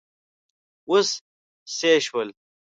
اوس سيي شو!